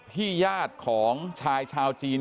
ญาติของชายชาวจีน